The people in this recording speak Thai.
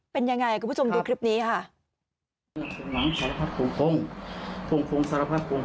เป็นยังไงคุณผู้ชมดูคลิปนี้ค่ะ